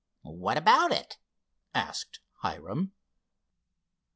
"What about it?" asked Hiram.